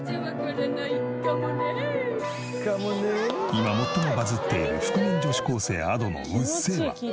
今最もバズっている覆面女子高生Ａｄｏの『うっせぇわ』。